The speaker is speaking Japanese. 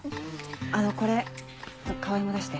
あのこれ川合も出して。